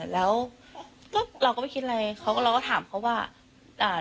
แล้วเราก็ไม่คิดอะไรเราก็ถามเขาว่า